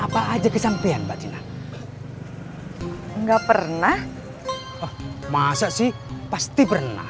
apa aja kesampean mbak tina enggak pernah masa sih pasti pernah